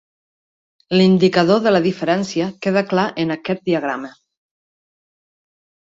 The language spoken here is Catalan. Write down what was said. L'indicador de la diferència queda clar en aquest diagrama.